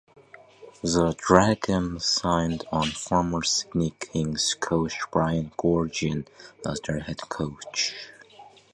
The Dragons signed on former Sydney Kings coach Brian Goorjian as their head coach.